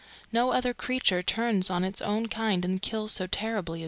No other creature turns on its own kind and kills so terribly as man."